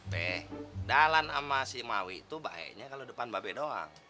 be dalan sama si mawi tuh baiknya kalau depan mbak be doang